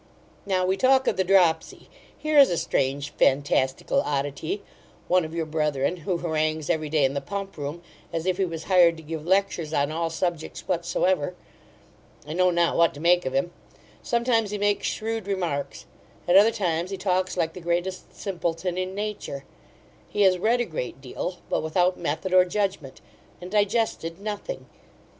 Now we talk of the dropsy, here is a strange fantastical oddity, one of your brethren, who harangues every day in the Pump room, as if he was hired to give lectures on all subjects whatsoever I know not what to make of him Sometimes he makes shrewd remarks; at other times he talks like the greatest simpleton in nature He has read a great deal; but without method or judgment, and digested nothing.